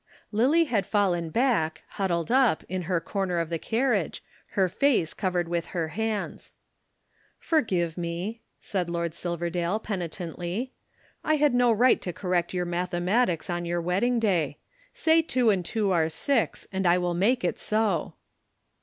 Lillie had fallen back, huddled up, in her corner of the carriage, her face covered with her hands. "Forgive me," said Lord Silverdale penitently. "I had no right to correct your mathematics on your wedding day. Say two and two are six and I will make it so."